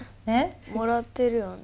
もらってるよね？